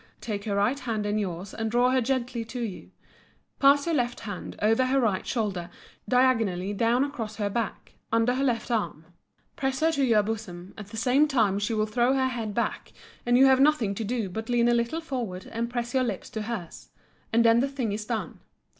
Take her right hand in yours and draw her gently to you; pass your left hand over her right shoulder, diagonally down across her back, under her left arm; press her to your bosom, at the same time she will throw her head back and you have nothing to do but lean a little forward and press your lips to hers, and then the thing is done.